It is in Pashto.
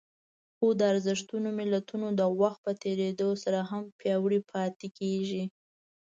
خو د ارزښتونو ملتونه د وخت په تېرېدو سره هم پياوړي پاتې کېږي.